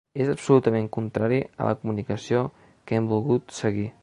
És absolutament contrari a la comunicació que hem volgut seguir.